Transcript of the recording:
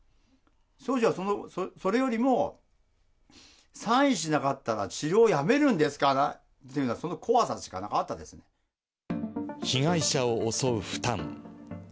当時はそれよりも、サインしなかったら、治療をやめるんですかっていうか、被害者を襲う負担。